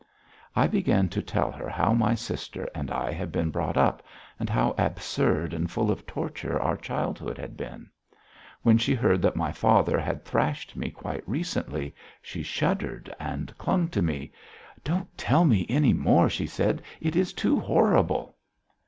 I began to tell her how my sister and I had been brought up and how absurd and full of torture our childhood had been. When she heard that my father had thrashed me quite recently she shuddered and clung to me: "Don't tell me any more," she said. "It is too horrible."